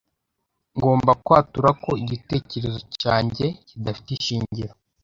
Ngomba kwatura ko igitekerezo cyanjye kidafite ishingiro.